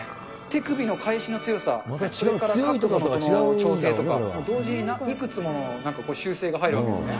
手首の返しの強さ、それから角度の調整とか、同時にいくつものなんか修正が入るわけですね。